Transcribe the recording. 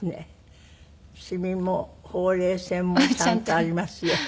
「シミもほうれい線もちゃんとありますよ」